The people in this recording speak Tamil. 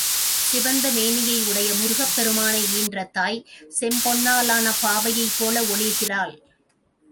சிவந்த மேனியை உடைய முருகப் பெருமானை ஈன்ற தாய், செம்பொன்னாலான பாவையைப் போல ஒளிர்கிறாள்.